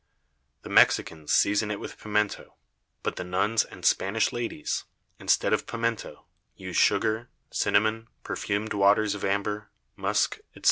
The Mexicans season it with Pimento; but the Nuns and Spanish Ladies, instead of Pimento, use Sugar, Cinnamon, perfumed Waters of Amber, Musk, _&c.